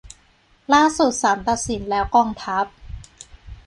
ล่าสุดศาลตัดสินแล้วกองทัพ